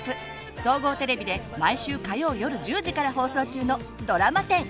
総合テレビで毎週火曜夜１０時から放送中のドラマ１０